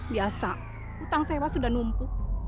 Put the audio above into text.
biasa utang sewa sudah numpuk